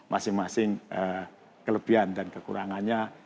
masing masing kelebihan dan kekurangannya